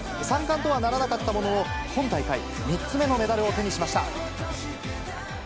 ３冠とはならなかったものの、今大会３つ目のメダルを手にしました。